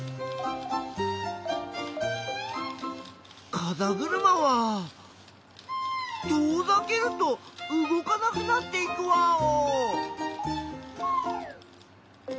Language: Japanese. かざぐるまは遠ざけると動かなくなっていくワオ！